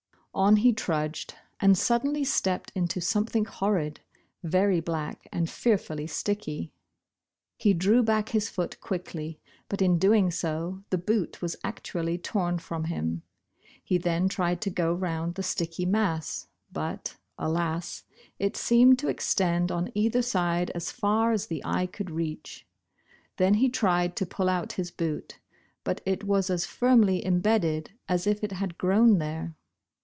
On he trudged and suddenly stepped into something horrid, ver}* black and fearfully sticky. He drew back his foot quickly, but in doing so, the boot was actually torn from him. He then tried to q o round the stickv mass, but, alas, it seemed to extend on either side as far as the eve could reach. Then he tried to pull out his boot, but it was as firmly imbedded as if it had grown there.